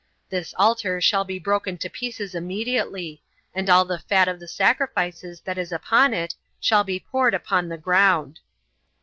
This altar shall be broken to pieces immediately, and all the fat of the sacrifices that is upon it shall be poured upon the ground."